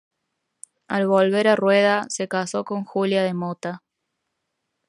Al volver a Rueda se casó con Julia de Mota.